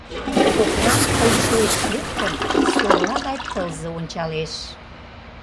Коклан пыл шойыч лектын, сорла гай тылзе ончалеш.